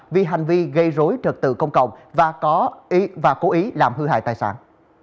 vì hành vi gây rối trật tự công cộng và cố ý làm hư hại tài sản